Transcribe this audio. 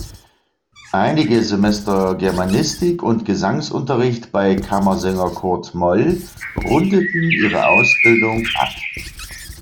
Einige Semester Germanistik und Gesangsunterricht bei Kammersänger Kurt Moll rundeten ihre Ausbildung ab.